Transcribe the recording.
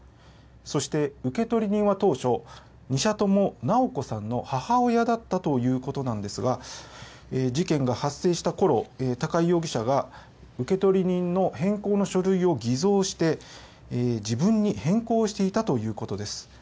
そして、受取人は当初２社とも直子さんの母親だったということなんですが事件が発生したころ高井容疑者が受取人の変更の書類を偽造して自分に変更していたということです。